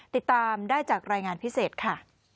ติดตามได้จากรายงานพิเศษค่ะ